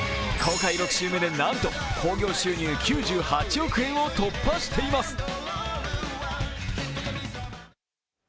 公開６週目でなんと興行収入９８億円を突破しています。